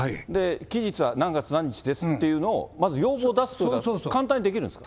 期日は何月何日ですというのを、まず要望出すってのは、簡単にできるんですか？